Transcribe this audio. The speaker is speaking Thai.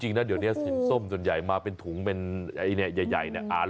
จริงนะเดี๋ยวนี้สินส้มส่วนใหญ่มาเป็นถุงเป็นไอ้เนี่ยใหญ่เนี่ย